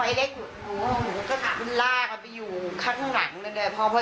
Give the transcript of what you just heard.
ไอ้เล็กก็หนูก็ถามมันลากมันไปอยู่ข้างหลังเลยเลยพอ